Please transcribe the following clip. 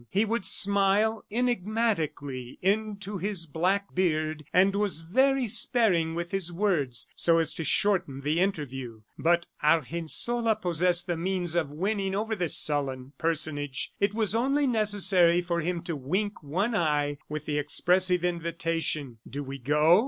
He would smile enigmatically into his black beard, and was very sparing with his words so as to shorten the interview. But Argensola possessed the means of winning over this sullen personage. It was only necessary for him to wink one eye with the expressive invitation, "Do we go?"